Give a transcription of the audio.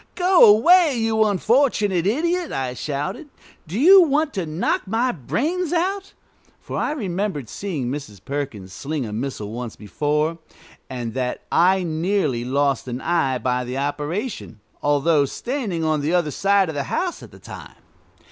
"Go away, you unfortunate idiot!" I shouted: "do you want to knock my brains out?" For I remembered seeing Mrs. Perkins sling a missile once before, and that I nearly lost an eye by the operation, although standing on the other side of the house at the time.